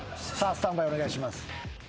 スタンバイお願いします。